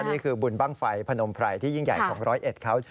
นี่คือบุญบ้างไฟพนมไพรที่ยิ่งใหญ่ของร้อยเอ็ดเขา